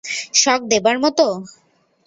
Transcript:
শক দেবার মতো?